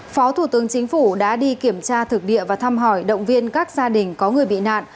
phó thủ tướng chính phủ đã đi kiểm tra thực địa và thăm hỏi động viên các gia đình có người bị nạn